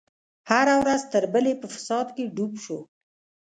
هره ورځ تر بلې په فساد کې ډوب شو.